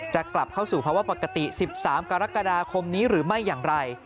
จะกลับเข้าสู่ภาวะปกติ๑๓กรกฎาคมนี้หรือไม่อย่างไร